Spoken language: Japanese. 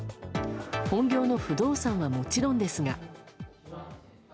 本業の不動産はもちろんですが。